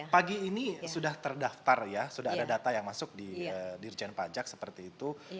pagi ini sudah terdaftar ya sudah ada data yang masuk di dirjen pajak seperti itu